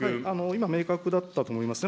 今、明確だったと思います。